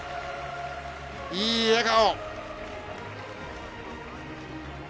いい笑顔。